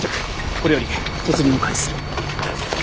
これより突入を開始する。